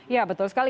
ya betul sekali